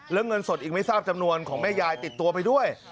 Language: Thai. แล้วเงินสดอีกไม่ทราบจำนวนของแม่ยายติดตัวไปด้วย